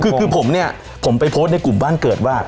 คือคือผมเนี่ยผมไปโพสต์ในกลุ่มบ้านเกิดว่า